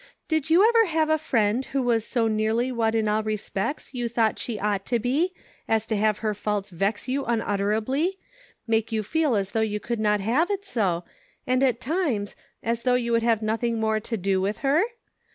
Did you never have a friend who was so nearly what in all respects you thought she ought to be, as to have her faults vex you unutter ably, make you feel as though you could not have it so, and at times, as though you would have noth ing more to do with her